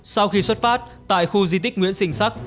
sau khi xuất phát tại khu di tích nguyễn sinh sắc